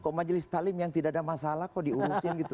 kok majelis talim yang tidak ada masalah kok diurusin gitu